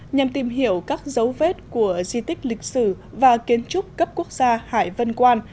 nhằm tìm hiểu các dấu vết của di tích lịch sử và kiến trúc cấp quốc gia hải vân quan